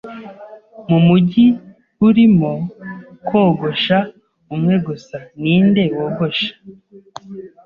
Mu mujyi urimo kogosha umwe gusa, ninde wogosha?